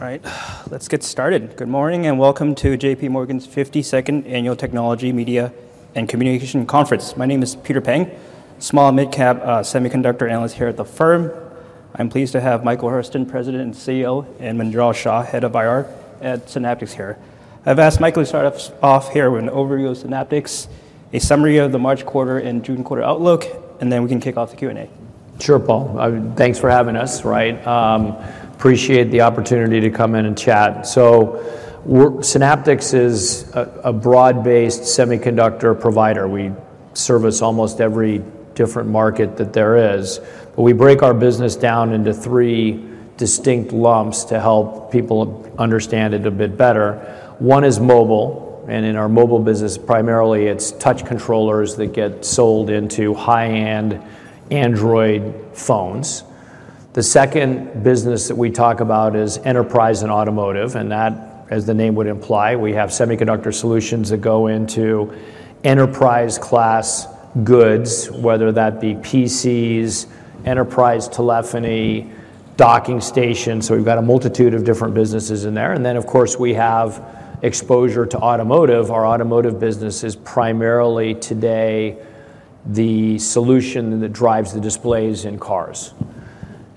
All right, let's get started. Good morning, and welcome to J.P. Morgan's 52nd Annual Technology, Media, and Communication Conference. My name is Peter Peng, Small Mid-Cap, semiconductor analyst here at the firm. I'm pleased to have Michael Hurlston, President and CEO, and Munjal Shah, head of IR at Synaptics here. I've asked Michael to start us off here with an overview of Synaptics, a summary of the March quarter and June quarter outlook, and then we can kick off the Q&A. Sure, Peng. Thanks for having us, right. Appreciate the opportunity to come in and chat. Synaptics is a, a broad-based semiconductor provider. We service almost every different market that there is, but we break our business down into three distinct lumps to help people understand it a bit better. One is mobile, and in our mobile business, primarily, it's touch controllers that get sold into high-end Android phones. The second business that we talk about is enterprise and automotive, and that, as the name would imply, we have semiconductor solutions that go into enterprise class goods, whether that be PCs, enterprise telephony, docking stations, so we've got a multitude of different businesses in there. And then, of course, we have exposure to automotive. Our automotive business is primarily today the solution that drives the displays in cars.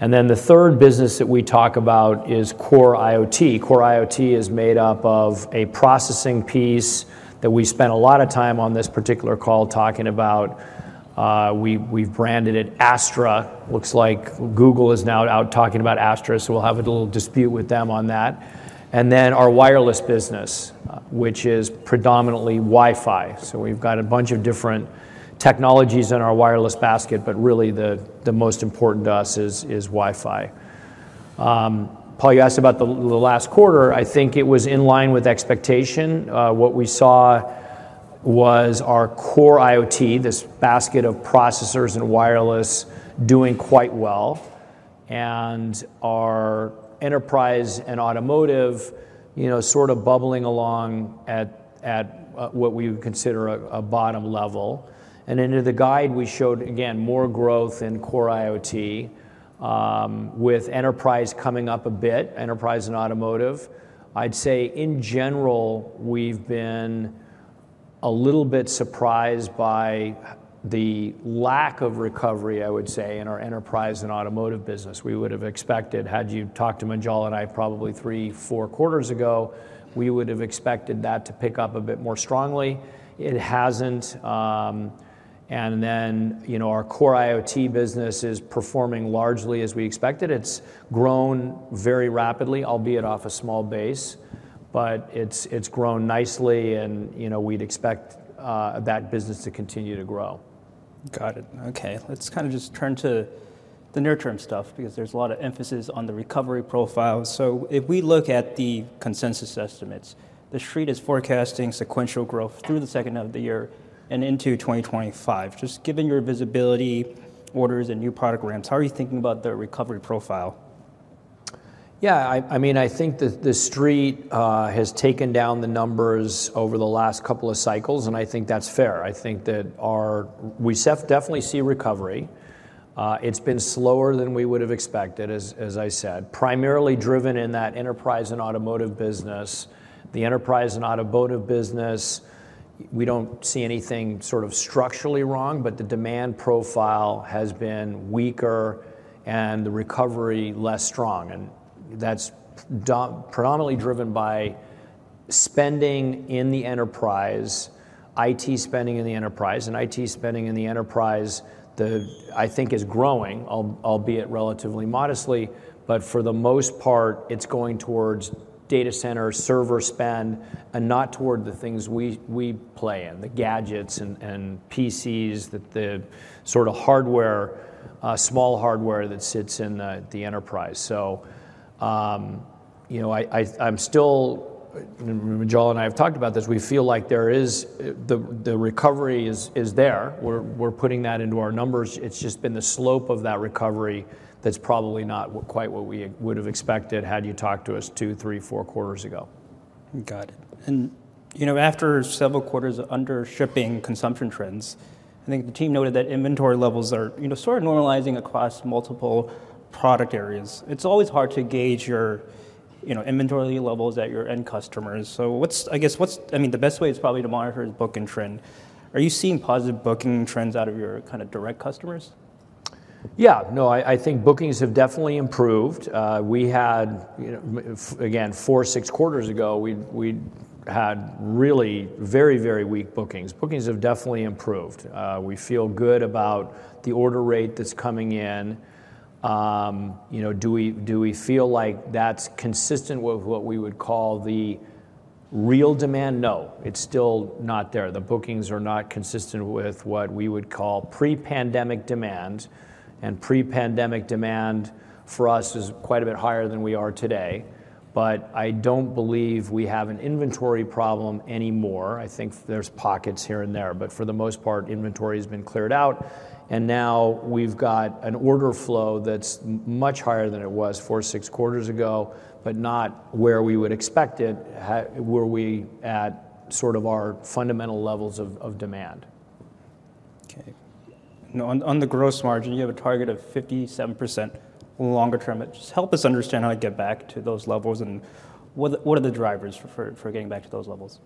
The third business that we talk about is Core IoT. Core IoT is made up of a processing piece that we spent a lot of time on this particular call talking about. We've branded it Astra. Looks like Google is now out talking about Astra, so we'll have a little dispute with them on that. Our wireless business, which is predominantly Wi-Fi. We've got a bunch of different technologies in our wireless basket, but really the most important to us is Wi-Fi. Peng, you asked about the last quarter. I think it was in line with expectation. What we saw was our Core IoT, this basket of processors and wireless, doing quite well, and our enterprise and automotive, you know, sort of bubbling along at what we would consider a bottom level. Into the guide, we showed, again, more growth in Core IoT, with enterprise coming up a bit, enterprise and automotive. I'd say in general, we've been a little bit surprised by the lack of recovery, I would say, in our enterprise and automotive business. We would have expected, had you talked to Munjal and I probably three, four quarters ago, we would have expected that to pick up a bit more strongly. It hasn't, and then, you know, our Core IoT business is performing largely as we expected. It's grown very rapidly, albeit off a small base, but it's, it's grown nicely and, you know, we'd expect that business to continue to grow. Got it. Okay, let's kind of just turn to the near-term stuff because there's a lot of emphasis on the recovery profile. So if we look at the consensus estimates, the Street is forecasting sequential growth through the second half of the year and into 2025. Just given your visibility, orders, and new product ramps, how are you thinking about the recovery profile? Yeah, I mean, I think the Street has taken down the numbers over the last couple of cycles, and I think that's fair. I think that we definitely see recovery. It's been slower than we would have expected, as I said, primarily driven in that enterprise and automotive business. The enterprise and automotive business, we don't see anything sort of structurally wrong, but the demand profile has been weaker and the recovery less strong, and that's predominantly driven by spending in the enterprise. IT spending in the enterprise, and IT spending in the enterprise, the, I think is growing, albeit relatively modestly, but for the most part, it's going towards data center, server spend, and not toward the things we, we play in, the gadgets and, and PCs, the, the sort of hardware, small hardware that sits in the, the enterprise. So, you know, I, I, I'm still... Munjal and I have talked about this. We feel like there is, the, the recovery is, is there. We're, we're putting that into our numbers. It's just been the slope of that recovery that's probably not quite what we would have expected had you talked to us two, three, four quarters ago. Got it. And, you know, after several quarters of undershipping consumption trends, I think the team noted that inventory levels are, you know, sort of normalizing across multiple product areas. It's always hard to gauge your, you know, inventory levels at your end customers. So, what's, I mean, the best way is probably to monitor is booking trend. Are you seeing positive booking trends out of your kind of direct customers? Yeah, no, I think bookings have definitely improved. We had, you know, again, four, six quarters ago, we had really very, very weak bookings. Bookings have definitely improved. We feel good about the order rate that's coming in. You know, do we feel like that's consistent with what we would call the real demand? No, it's still not there. The bookings are not consistent with what we would call pre-pandemic demand, and pre-pandemic demand for us is quite a bit higher than we are today. But I don't believe we have an inventory problem anymore. I think there's pockets here and there, but for the most part, inventory has been cleared out, and now we've got an order flow that's much higher than it was four, six quarters ago, but not where we would expect it, where we at sort of our fundamental levels of demand. Okay. Now, on the gross margin, you have a target of 57% longer term. Just help us understand how to get back to those levels, and what are the drivers for getting back to those levels?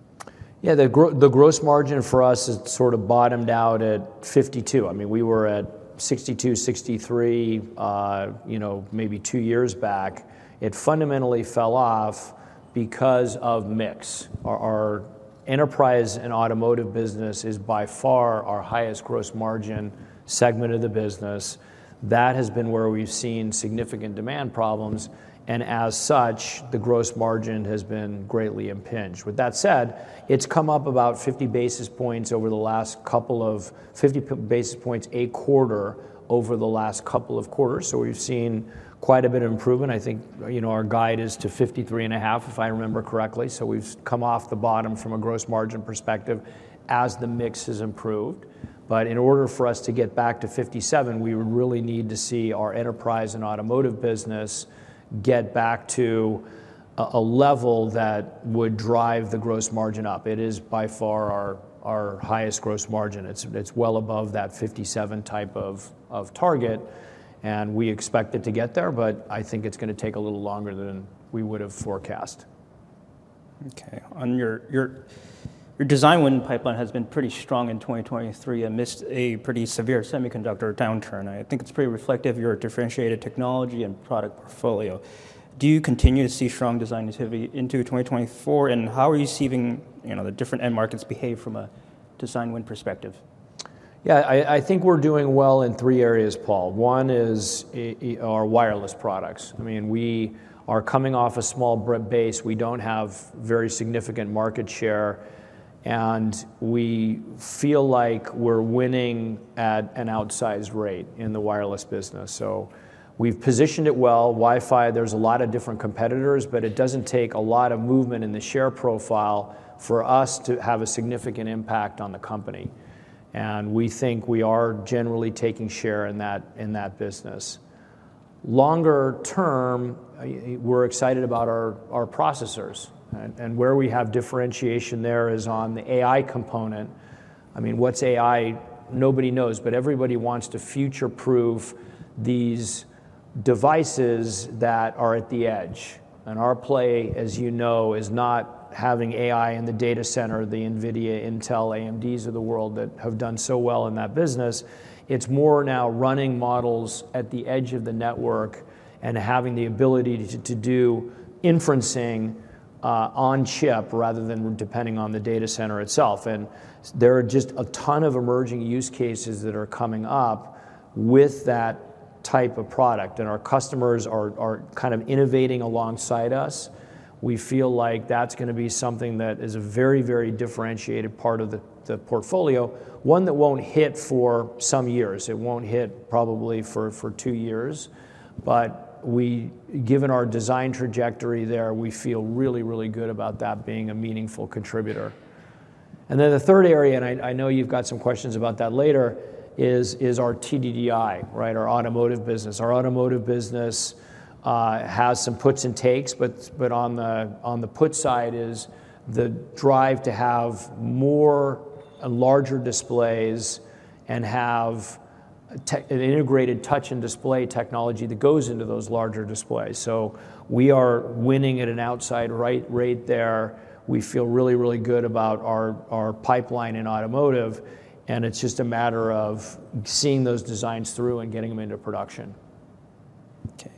Yeah, the gross margin for us is sort of bottomed out at 52%. I mean, we were at 62%, 63%, you know, maybe two years back. It fundamentally fell off because of mix. Our enterprise and automotive business is by far our highest gross margin segment of the business. That has been where we've seen significant demand problems, and as such, the gross margin has been greatly impinged. With that said, it's come up about 50 basis points, 50 basis points a quarter over the last couple of quarters. So we've seen quite a bit of improvement. I think, you know, our guide is to 53.5%, if I remember correctly. So we've come off the bottom from a gross margin perspective as the mix has improved. But in order for us to get back to 57%, we would really need to see our enterprise and automotive business get back to a level that would drive the gross margin up. It is by far our highest gross margin. It's well above that 57% type of target, and we expect it to get there, but I think it's gonna take a little longer than we would have forecast. Okay. On your design win pipeline has been pretty strong in 2023 amidst a pretty severe semiconductor downturn. I think it's pretty reflective of your differentiated technology and product portfolio. Do you continue to see strong design activity into 2024, and how are you seeing, you know, the different end markets behave from a design win perspective? Yeah, I think we're doing well in three areas, Peng. One is our wireless products. I mean, we are coming off a small base. We don't have very significant market share, and we feel like we're winning at an outsized rate in the wireless business. So we've positioned it well. Wi-Fi, there's a lot of different competitors, but it doesn't take a lot of movement in the share profile for us to have a significant impact on the company, and we think we are generally taking share in that business. Longer term, we're excited about our processors, and where we have differentiation there is on the AI component. I mean, what's AI? Nobody knows, but everybody wants to future-proof these devices that are at the edge. Our play, as you know, is not having AI in the data center, the NVIDIA, Intel, AMD's of the world that have done so well in that business. It's more now running models at the edge of the network and having the ability to do inferencing on chip rather than depending on the data center itself. There are just a ton of emerging use cases that are coming up with that type of product, and our customers are kind of innovating alongside us. We feel like that's gonna be something that is a very, very differentiated part of the portfolio, one that won't hit for some years. It won't hit probably for two years, but we, given our design trajectory there, feel really, really good about that being a meaningful contributor. And then the third area, and I know you've got some questions about that later, is our TDDI, right? Our automotive business. Our automotive business has some puts and takes, but on the put side is the drive to have more and larger displays and have an integrated touch and display technology that goes into those larger displays. So we are winning at an outsized rate there. We feel really, really good about our pipeline in automotive, and it's just a matter of seeing those designs through and getting them into production. Okay.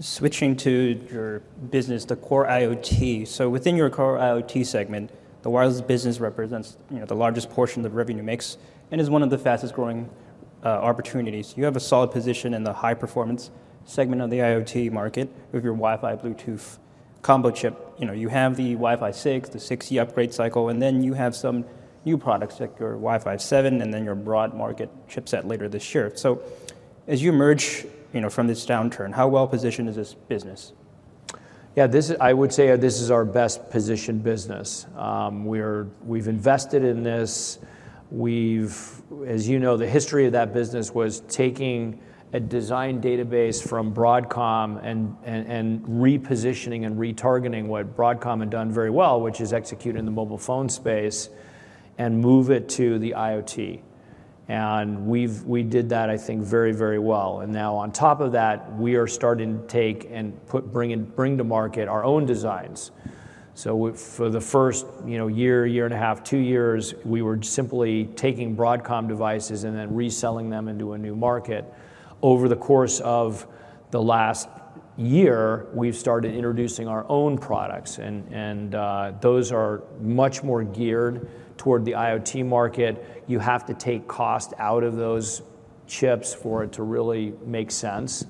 Switching to your business, the Core IoT. So within your Core IoT segment, the wireless business represents, you know, the largest portion of the revenue mix and is one of the fastest-growing opportunities. You have a solid position in the high-performance segment of the IoT market with your Wi-Fi, Bluetooth combo chip. You know, you have the Wi-Fi 6, the 6E upgrade cycle, and then you have some new products like your Wi-Fi 7 and then your broad market chipset later this year. So as you emerge, you know, from this downturn, how well-positioned is this business? Yeah, this—I would say this is our best-positioned business. We're—we've invested in this, we've. As you know, the history of that business was taking a design database from Broadcom and repositioning and retargeting what Broadcom had done very well, which is execute in the mobile phone space, and move it to the IoT. And we did that, I think, very, very well. And now on top of that, we are starting to bring to market our own designs. So for the first, you know, year, year and a half, two years, we were simply taking Broadcom devices and then reselling them into a new market. Over the course of the last year, we've started introducing our own products, and those are much more geared toward the IoT market. You have to take cost out of those chips for it to really make sense.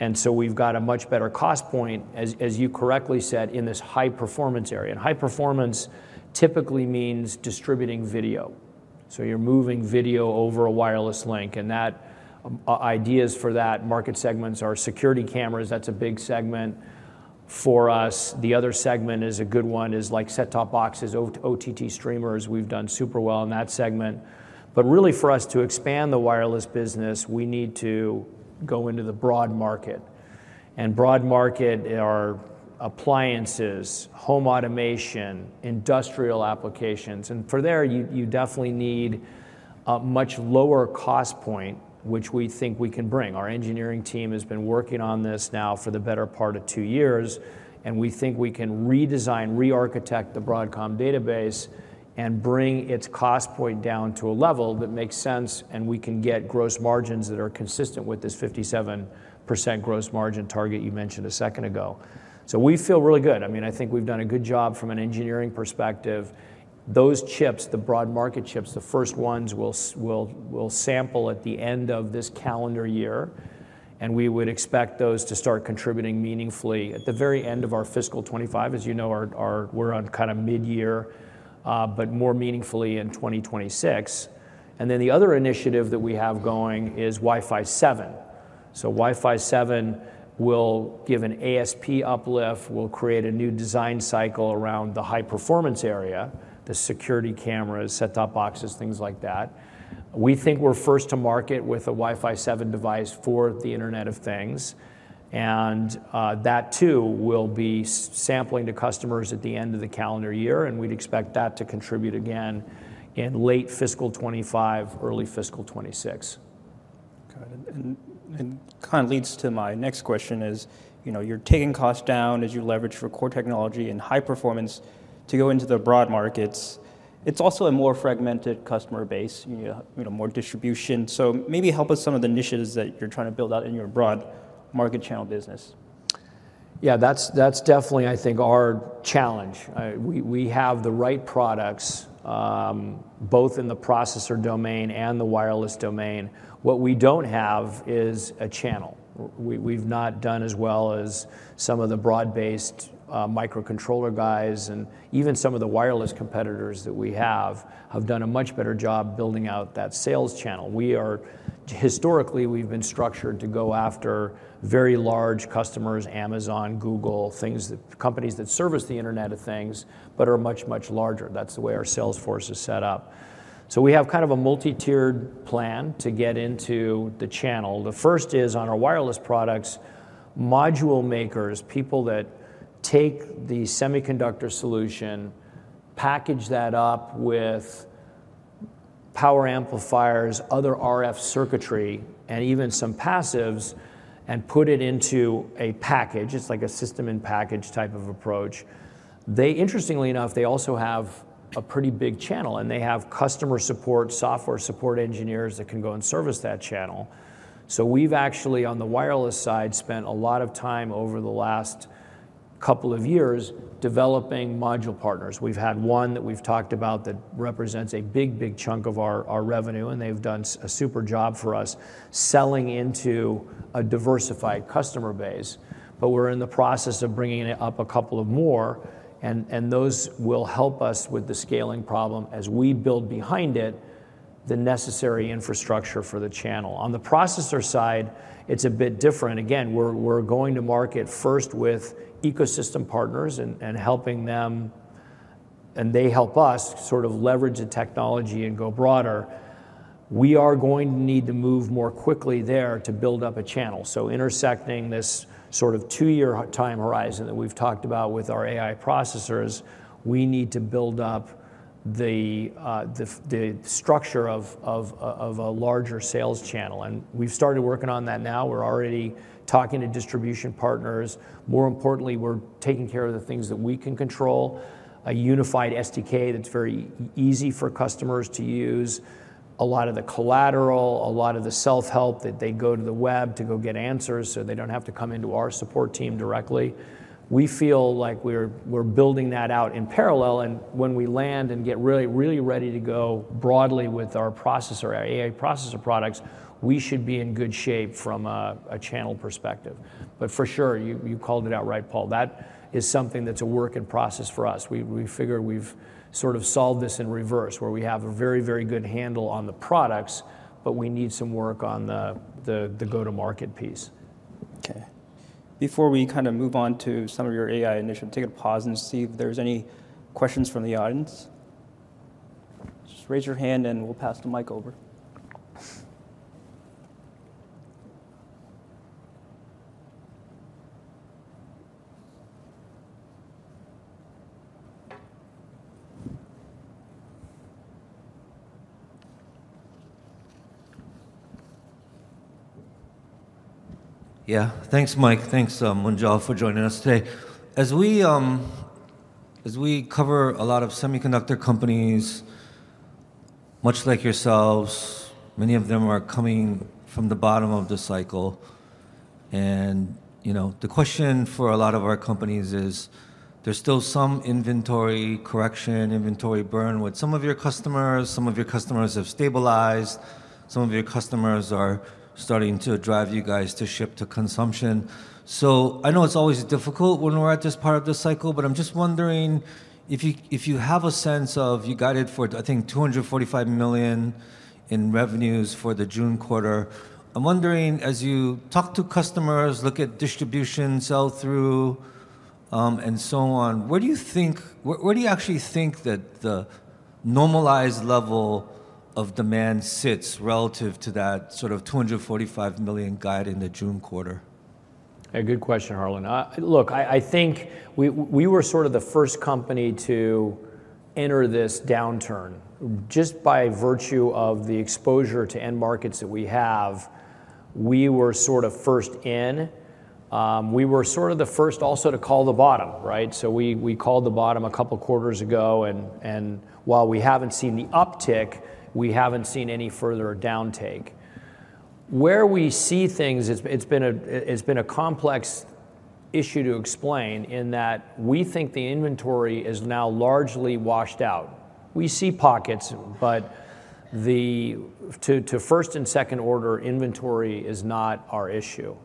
And so we've got a much better cost point, as you correctly said, in this high-performance area. And high performance typically means distributing video. So you're moving video over a wireless link, and that, ideas for that market segments are security cameras. That's a big segment for us. The other segment is a good one, is like set-top boxes, OTT streamers. We've done super well in that segment. But really, for us to expand the wireless business, we need to go into the broad market... and broad market are appliances, home automation, industrial applications, and for there, you definitely need a much lower cost point, which we think we can bring. Our engineering team has been working on this now for the better part of two years, and we think we can redesign, re-architect the Broadcom database and bring its cost point down to a level that makes sense, and we can get gross margins that are consistent with this 57% gross margin target you mentioned a second ago. So we feel really good. I mean, I think we've done a good job from an engineering perspective. Those chips, the broad market chips, the first ones we'll sample at the end of this calendar year, and we would expect those to start contributing meaningfully at the very end of our fiscal 2025. As you know, we're on kind of mid-year, but more meaningfully in 2026. And then the other initiative that we have going is Wi-Fi 7. So Wi-Fi 7 will give an ASP uplift, will create a new design cycle around the high-performance area, the security cameras, set-top boxes, things like that. We think we're first to market with a Wi-Fi 7 device for the Internet of Things, and that too will be sampling to customers at the end of the calendar year, and we'd expect that to contribute again in late fiscal 2025, early fiscal 2026. Got it. And kind of leads to my next question is, you know, you're taking costs down as you leverage for core technology and high performance to go into the broad markets. It's also a more fragmented customer base, you know, more distribution. So maybe help with some of the initiatives that you're trying to build out in your broad market channel business. Yeah, that's, that's definitely, I think, our challenge. We have the right products both in the processor domain and the wireless domain. What we don't have is a channel. We've not done as well as some of the broad-based microcontroller guys, and even some of the wireless competitors that we have, have done a much better job building out that sales channel. We are. Historically, we've been structured to go after very large customers, Amazon, Google, things that, companies that service the Internet of Things but are much, much larger. That's the way our sales force is set up. So we have kind of a multi-tiered plan to get into the channel. The first is on our wireless products, module makers, people that take the semiconductor solution, package that up with power amplifiers, other RF circuitry, and even some passives, and put it into a package. It's like a system in package type of approach. Interestingly enough, they also have a pretty big channel, and they have customer support, software support engineers that can go and service that channel. So we've actually, on the wireless side, spent a lot of time over the last couple of years developing module partners. We've had one that we've talked about that represents a big, big chunk of our revenue, and they've done a super job for us, selling into a diversified customer base. But we're in the process of bringing it up a couple more, and those will help us with the scaling problem as we build behind it the necessary infrastructure for the channel. On the processor side, it's a bit different. Again, we're going to market first with ecosystem partners and helping them, and they help us sort of leverage the technology and go broader. We are going to need to move more quickly there to build up a channel. So intersecting this sort of two-year time horizon that we've talked about with our AI processors, we need to build up the structure of a larger sales channel, and we've started working on that now. We're already talking to distribution partners. More importantly, we're taking care of the things that we can control. A unified SDK that's very easy for customers to use, a lot of the collateral, a lot of the self-help that they go to the web to go get answers, so they don't have to come into our support team directly. We feel like we're building that out in parallel, and when we land and get really, really ready to go broadly with our processor, our AI processor products, we should be in good shape from a channel perspective. But for sure, you called it out right, Peng, that is something that's a work in progress for us. We figure we've sort of solved this in reverse, where we have a very, very good handle on the products, but we need some work on the go-to-market piece. Okay. Before we kind of move on to some of your AI initiatives, take a pause and see if there's any questions from the audience. Just raise your hand and we'll pass the mic over. Yeah. Thanks, Mike. Thanks, Munjal, for joining us today. As we cover a lot of semiconductor companies, much like yourselves, many of them are coming from the bottom of the cycle and, you know, the question for a lot of our companies is: there's still some inventory correction, inventory burn with some of your customers, some of your customers have stabilized, some of your customers are starting to drive you guys to ship to consumption. So I know it's always difficult when we're at this part of the cycle, but I'm just wondering if you, if you have a sense of-- you guided for, I think, $245 million in revenues for the June quarter. I'm wondering, as you talk to customers, look at distribution, sell-through and so on, where do you actually think that the normalized level of demand sits relative to that sort of $245 million guide in the June quarter? A good question, Harlan. Look, I think we were sort of the first company to enter this downturn. Just by virtue of the exposure to end markets that we have, we were sort of first in. We were sort of the first also to call the bottom, right? So we called the bottom a couple quarters ago, and while we haven't seen the uptick, we haven't seen any further downtake. Where we see things, it's been a complex issue to explain in that we think the inventory is now largely washed out. We see pockets, but to first and second order inventory is not our issue.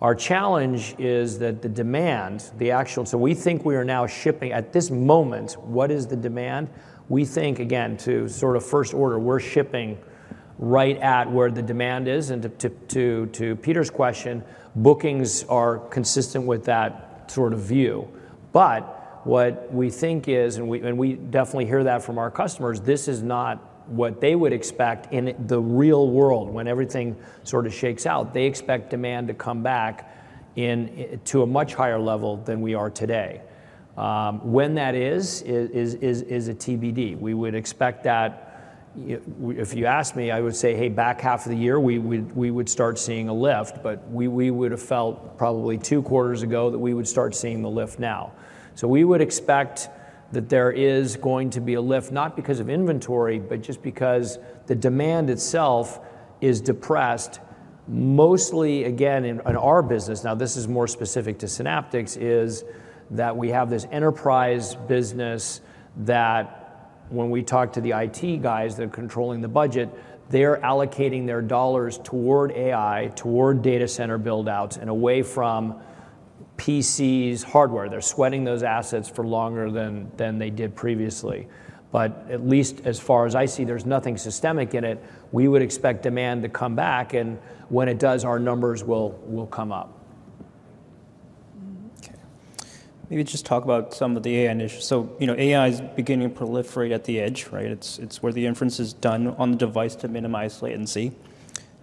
Our challenge is that the demand, the actual. So we think we are now shipping, at this moment, what is the demand? We think, again, to sort of first order, we're shipping right at where the demand is, and to Peter's question, bookings are consistent with that sort of view. But what we think is, and we definitely hear that from our customers, this is not what they would expect in the real world when everything sort of shakes out. They expect demand to come back in, to a much higher level than we are today. When that is, is a TBD. We would expect that if you asked me, I would say, "Hey, back half of the year, we would start seeing a lift," but we would've felt probably two quarters ago that we would start seeing the lift now. So we would expect that there is going to be a lift, not because of inventory, but just because the demand itself is depressed mostly, again, in our business. Now this is more specific to Synaptics, is that we have this enterprise business that when we talk to the IT guys that are controlling the budget, they are allocating their dollars toward AI, toward data center build-outs, and away from PCs, hardware. They're sweating those assets for longer than they did previously. But at least as far as I see, there's nothing systemic in it. We would expect demand to come back, and when it does, our numbers will come up. Okay. Maybe just talk about some of the AI initiatives. So, you know, AI is beginning to proliferate at the edge, right? It's where the inference is done on the device to minimize latency.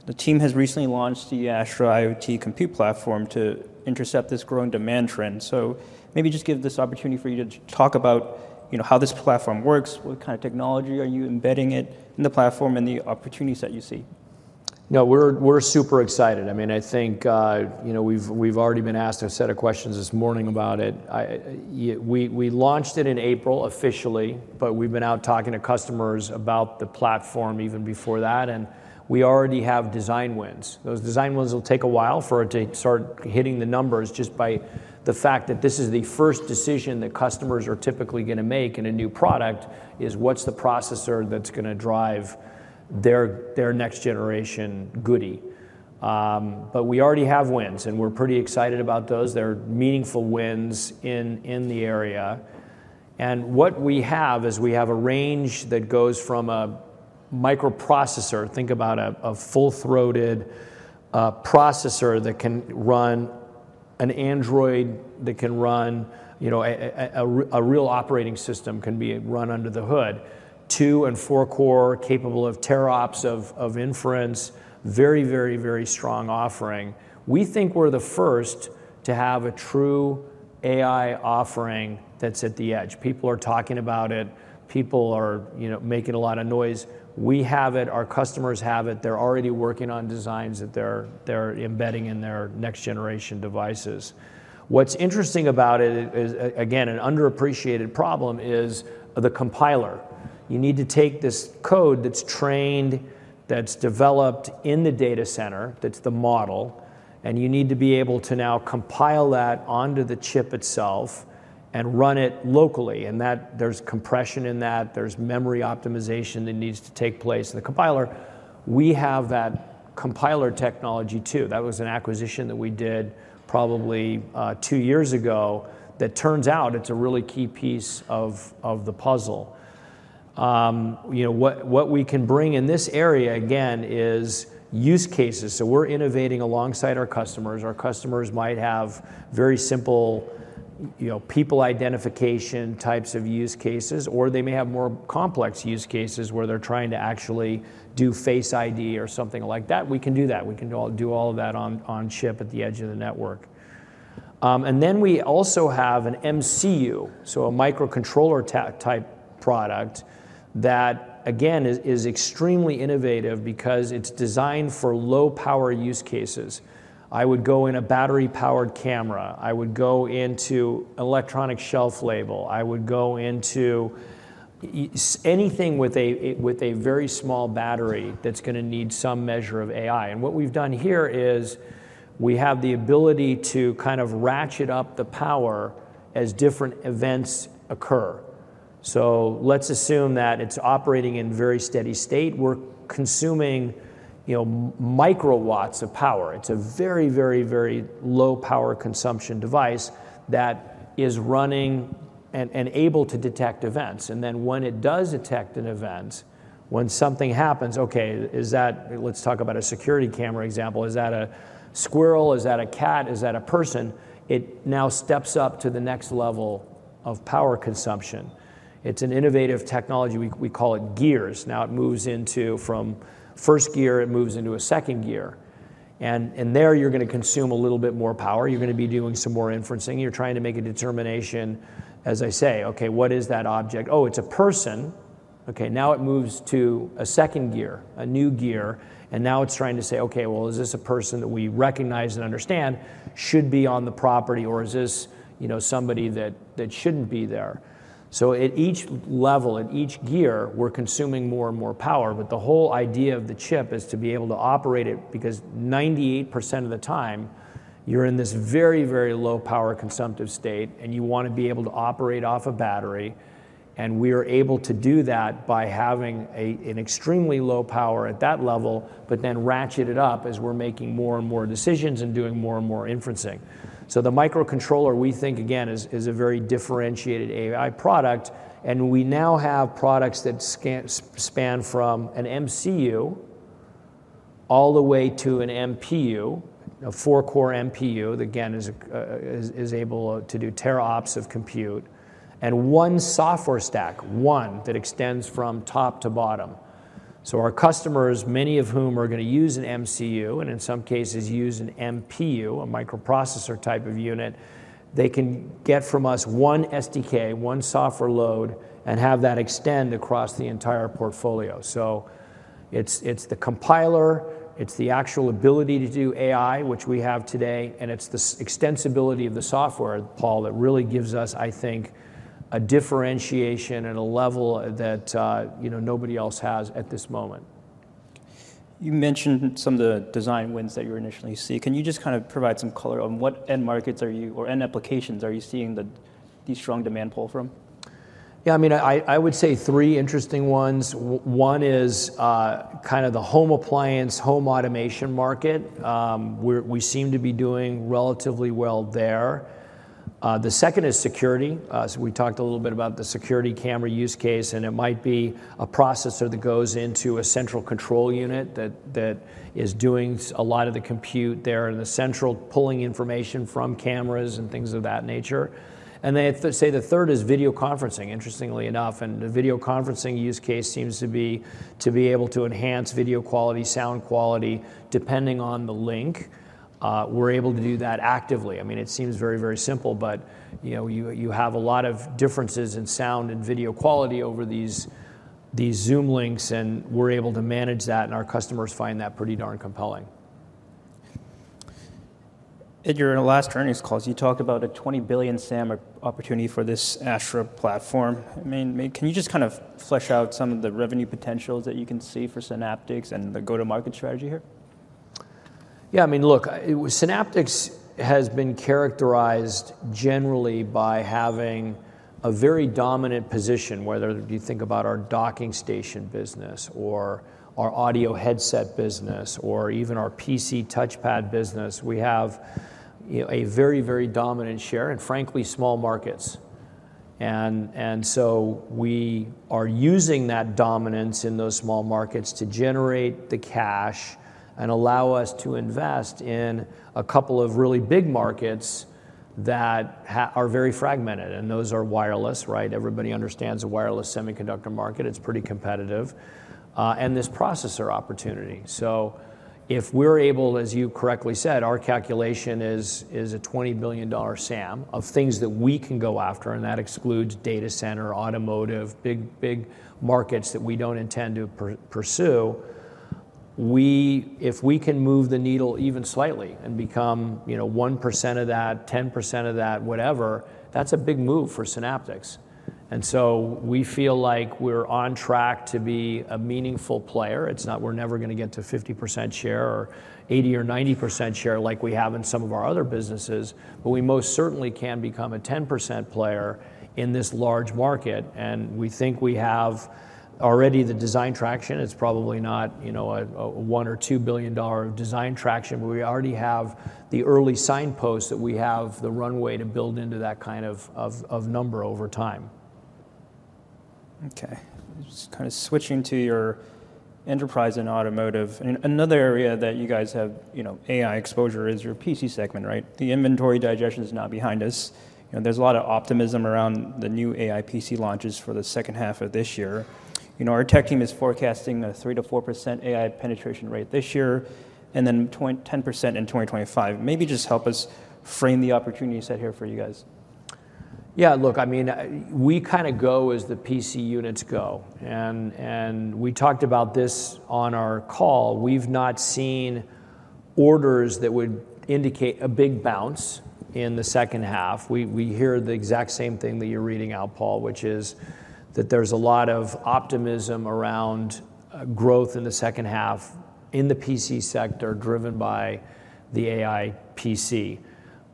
The team has recently launched the Astra IoT Compute platform to intercept this growing demand trend. So maybe just give this opportunity for you to talk about, you know, how this platform works, what kind of technology are you embedding it in the platform, and the opportunities that you see. No, we're super excited. I mean, I think, you know, we've already been asked a set of questions this morning about it. We launched it in April officially, but we've been out talking to customers about the platform even before that, and we already have design wins. Those design wins will take a while for it to start hitting the numbers, just by the fact that this is the first decision that customers are typically gonna make in a new product, is what's the processor that's gonna drive their next generation goodie? But we already have wins, and we're pretty excited about those. They're meaningful wins in the area. And what we have is we have a range that goes from a microprocessor, think about a full-throated processor that can run an Android, that can run, you know, a real operating system can be run under the hood. 2- and 4-core, capable of TeraOPS of inference, very, very, very strong offering. We think we're the first to have a true AI offering that's at the edge. People are talking about it. People are, you know, making a lot of noise. We have it. Our customers have it. They're already working on designs that they're embedding in their next-generation devices. What's interesting about it is, again, an underappreciated problem is the compiler. You need to take this code that's trained, that's developed in the data center, that's the model, and you need to be able to now compile that onto the chip itself and run it locally, and that, there's compression in that, there's memory optimization that needs to take place in the compiler. We have that compiler technology, too. That was an acquisition that we did probably two years ago, that turns out it's a really key piece of the puzzle. You know, what, what we can bring in this area, again, is use cases. So we're innovating alongside our customers. Our customers might have very simple, you know, people identification types of use cases, or they may have more complex use cases where they're trying to actually do face ID or something like that. We can do that. We can do all of that on-chip at the edge of the network. And then we also have an MCU, so a microcontroller type product, that, again, is extremely innovative because it's designed for low-power use cases. I would go in a battery-powered camera, I would go into electronic shelf label, I would go into anything with a very small battery that's gonna need some measure of AI. And what we've done here is we have the ability to kind of ratchet up the power as different events occur. So let's assume that it's operating in very steady state. We're consuming, you know, microwatts of power. It's a very, very, very low power consumption device that is running and able to detect events. And then when it does detect an event, when something happens, okay, is that, let's talk about a security camera example, is that a squirrel? Is that a cat? Is that a person? It now steps up to the next level of power consumption. It's an innovative technology. We call it gears. Now, it moves into from first gear, it moves into a second gear, and there you're going to consume a little bit more power. You're going to be doing some more inferencing. You're trying to make a determination, as I say, "Okay, what is that object? Oh, it's a person." Okay, now it moves to a second gear, a new gear, and now it's trying to say, "Okay, well, is this a person that we recognize and understand should be on the property, or is this, you know, somebody that, that shouldn't be there?" So at each level, at each gear, we're consuming more and more power, but the whole idea of the chip is to be able to operate it, because 98% of the time, you're in this very, very low power consumptive state, and you want to be able to operate off a battery. And we are able to do that by having a, an extremely low power at that level, but then ratchet it up as we're making more and more decisions and doing more and more inferencing. So the microcontroller, we think, again, is a very differentiated AI product, and we now have products that span from an MCU all the way to an MPU, a four-core MPU, that again, is able to do teraops of compute, and one software stack, one, that extends from top to bottom. So our customers, many of whom are going to use an MCU, and in some cases, use an MPU, a microprocessor type of unit, they can get from us one SDK, one software load, and have that extend across the entire portfolio. So it's the compiler, it's the actual ability to do AI, which we have today, and it's the extensibility of the software, Peng, that really gives us, I think, a differentiation and a level that, you know, nobody else has at this moment. You mentioned some of the design wins that you initially see. Can you just kind of provide some color on what end markets are you or end applications are you seeing these strong demand pull from? Yeah, I mean, I would say three interesting ones. One is kind of the home appliance, home automation market. We're, we seem to be doing relatively well there. The second is security. So we talked a little bit about the security camera use case, and it might be a processor that goes into a central control unit that is doing a lot of the compute there, and the central pulling information from cameras and things of that nature. Then I'd say the third is video conferencing, interestingly enough, and the video conferencing use case seems to be able to enhance video quality, sound quality, depending on the link. We're able to do that actively. I mean, it seems very, very simple, but, you know, you have a lot of differences in sound and video quality over these Zoom links, and we're able to manage that, and our customers find that pretty darn compelling. And during our last earnings calls, you talked about a $20 billion SAM opportunity for this Astra platform. I mean, can you just kind of flesh out some of the revenue potentials that you can see for Synaptics and the go-to-market strategy here? Yeah, I mean, look, Synaptics has been characterized generally by having a very dominant position, whether you think about our docking station business or our audio headset business, or even our PC touchpad business, we have, you know, a very, very dominant share, and frankly, small markets. And so we are using that dominance in those small markets to generate the cash and allow us to invest in a couple of really big markets that are very fragmented, and those are wireless, right? Everybody understands the wireless semiconductor market. It's pretty competitive, and this processor opportunity. So if we're able, as you correctly said, our calculation is a $20 billion SAM of things that we can go after, and that excludes data center, automotive, big, big markets that we don't intend to pursue. If we can move the needle even slightly and become, you know, 1% of that, 10% of that, whatever, that's a big move for Synaptics. And so we feel like we're on track to be a meaningful player. It's not we're never going to get to 50% share or 80% or 90% share like we have in some of our other businesses, but we most certainly can become a 10% player in this large market, and we think we have already the design traction. It's probably not, you know, a $1 billion-$2 billion design traction, but we already have the early signposts that we have the runway to build into that kind of number over time. Okay, just kind of switching to your enterprise and automotive. Another area that you guys have, you know, AI exposure is your PC segment, right? The inventory digestion is now behind us, and there's a lot of optimism around the new AI PC launches for the second half of this year. You know, our tech team is forecasting a 3%-4% AI penetration rate this year, and then 10% in 2025. Maybe just help us frame the opportunity set here for you guys. Yeah, look, I mean, we kinda go as the PC units go, and we talked about this on our call. We've not seen orders that would indicate a big bounce in the second half. We hear the exact same thing that you're reading out, Peng, which is that there's a lot of optimism around growth in the second half in the PC sector, driven by the AI PC.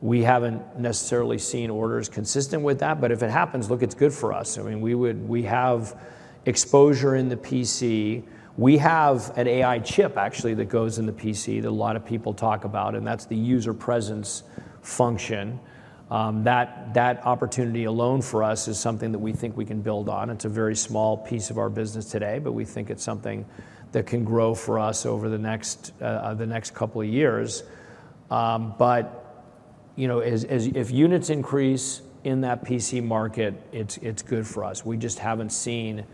We haven't necessarily seen orders consistent with that. But if it happens, look, it's good for us. I mean, we have exposure in the PC. We have an AI chip, actually, that goes in the PC that a lot of people talk about, and that's the user presence function. That opportunity alone for us is something that we think we can build on. It's a very small piece of our business today, but we think it's something that can grow for us over the next couple of years. But, you know, as if units increase in that PC market, it's good for us. We just haven't seen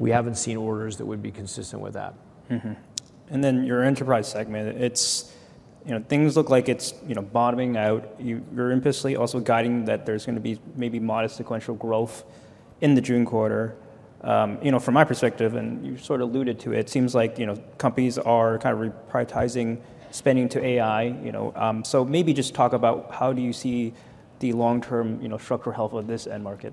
orders that would be consistent with that. And then your enterprise segment, it's, you know, things look like it's, you know, bottoming out. You're implicitly also guiding that there's gonna be maybe modest sequential growth in the June quarter. You know, from my perspective, and you sort of alluded to it, it seems like, you know, companies are kind of reprioritizing spending to AI, you know. So maybe just talk about how do you see the long-term, you know, structural health of this end market?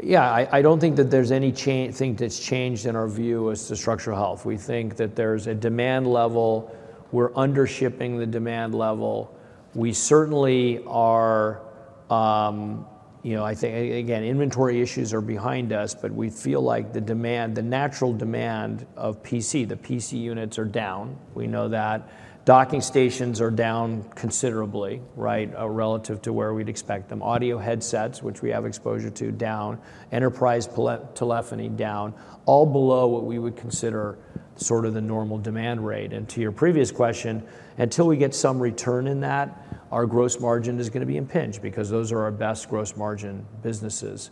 Yeah, I don't think that there's anything that's changed in our view as to structural health. We think that there's a demand level. We're under shipping the demand level. We certainly are, you know, I think, again, inventory issues are behind us, but we feel like the demand, the natural demand of PC, the PC units are down. We know that docking stations are down considerably, right, relative to where we'd expect them. Audio headsets, which we have exposure to, down. Enterprise telephony down, all below what we would consider sort of the normal demand rate. And to your previous question, until we get some return in that, our gross margin is gonna be impinged, because those are our best gross margin businesses.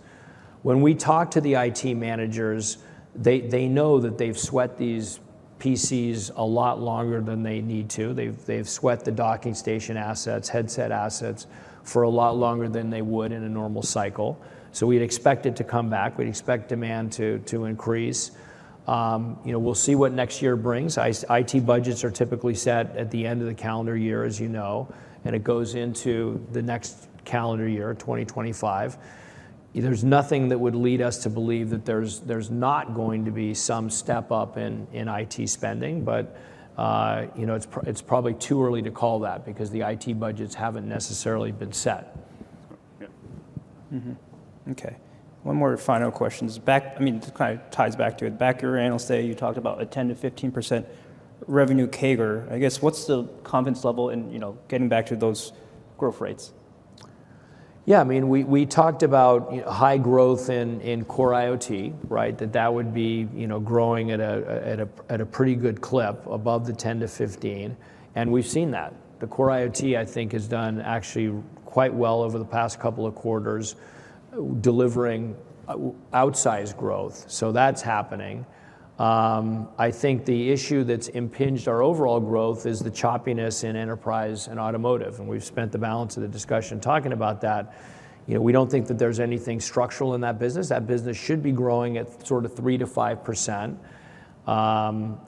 When we talk to the IT managers, they know that they've sweat these PCs a lot longer than they need to. They've sweat the docking station assets, headset assets for a lot longer than they would in a normal cycle. So we'd expect it to come back. We'd expect demand to increase. You know, we'll see what next year brings. IT budgets are typically set at the end of the calendar year, as you know, and it goes into the next calendar year, 2025. There's nothing that would lead us to believe that there's not going to be some step up in IT spending, but you know, it's probably too early to call that because the IT budgets haven't necessarily been set. Yeah. Okay, one more final question. Back, I mean, this kind of ties back to it. Back at your Analyst Day, you talked about a 10%-15% revenue CAGR. I guess, what's the confidence level in, you know, getting back to those growth rates? Yeah, I mean, we talked about, you know, high growth in Core IoT, right? That would be, you know, growing at a pretty good clip above the 10%-15%, and we've seen that. The Core IoT, I think, has done actually quite well over the past couple of quarters, delivering outsized growth. So that's happening. I think the issue that's impinged our overall growth is the choppiness in enterprise and automotive, and we've spent the balance of the discussion talking about that. You know, we don't think that there's anything structural in that business. That business should be growing at sort of 3%-5%.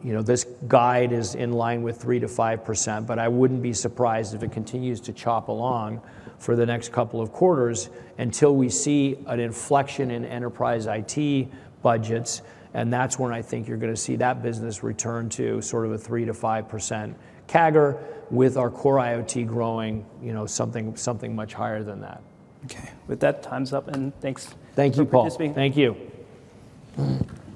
You know, this guide is in line with 3%-5%, but I wouldn't be surprised if it continues to chop along for the next couple of quarters until we see an inflection in enterprise IT budgets, and that's when I think you're gonna see that business return to sort of a 3%-5% CAGR with our Core IoT growing, you know, something, something much higher than that. Okay, with that, time's up, and thanks. Thank you, Peng. Thanks for being here. Thank you.